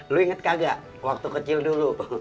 lu inget kagak waktu kecil dulu